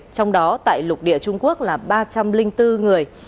trong đó tại lục địa trung quốc là ba trăm linh bốn người